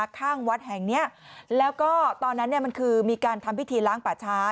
ข้างวัดแห่งเนี้ยแล้วก็ตอนนั้นเนี่ยมันคือมีการทำพิธีล้างป่าช้า